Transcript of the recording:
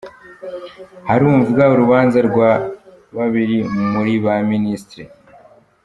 Harumvwa urubanza rwa babiri mu bari abaminisitiri